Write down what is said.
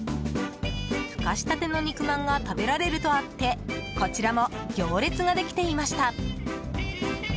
ふかしたての肉まんが食べられるとあってこちらも行列ができていました。